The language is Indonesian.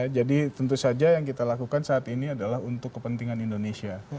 jadi tentu saja yang kita lakukan saat ini adalah untuk kepentingan indonesia